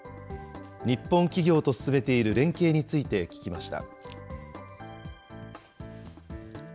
日本企業と進めている連携について聞きました。